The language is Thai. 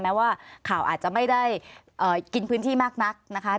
แม้ว่าข่าวอาจจะไม่ได้กินพื้นที่มากนักนะคะ